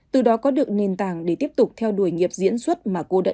từ đó có được nền tảng để tiếp tục theo đuổi nghiệp diễn xuất mà cô đã yêu thích và lựa chọn